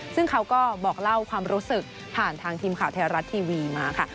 ซึ่งเขาก็บอกเล่าความรู้สึกผ่านทางทีมข่าวไทยรัฐทีวีมาค่ะ